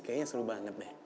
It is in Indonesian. kayaknya seru banget deh